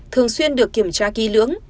thường xuyên được kiểm tra ký lưỡng